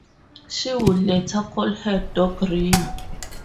She would later call her dog Rio.